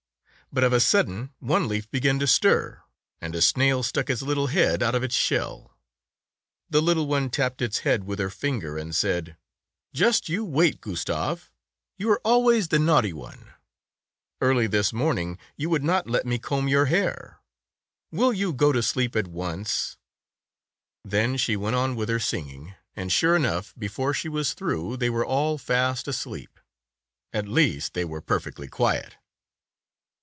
But of a sudden one leaf began to stir, and a snail stuck its little head out of its shell. The little one tapped its head with her finger and said, ''Just you wait, Gustave, you are always the naughty one ! Early this morn ing you would not let me comb your hair. Will you go to sleep at once ?" g6 Tales of Modern Germany Then she went on with her singing, and sure enough, before she was through, they were all fast asleep. At least, they were perfectly quiet.